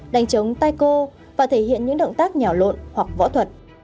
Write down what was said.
đánh chống taico và thể hiện những động tác nhào lộn hoặc võ thuật